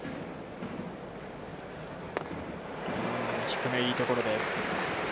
低め、いいところです。